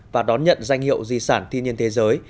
và đón nhận danh hiệu di sản thiên nhiên thế giới